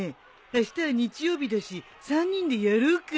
あしたは日曜日だし３人でやろうか。